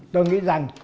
tôi nghĩ rằng